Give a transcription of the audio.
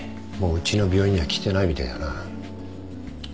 もううちの病院には来てないみたいだな。